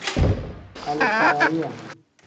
Alikariya.